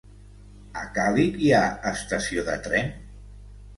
A Càlig hi ha estació de tren?